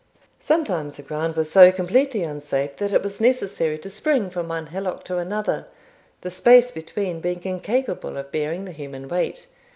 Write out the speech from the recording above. Sometimes the ground was so completely unsafe that it was necessary to spring from one hillock to another, the space between being incapable of bearing the human weight.